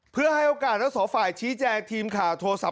เพื่อให้โอกาสแล้วสาธารณ์ฝ่ายชี้แจกทีมค่าโทรศัพท์